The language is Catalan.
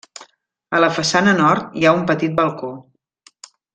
A la façana nord, hi ha un petit balcó.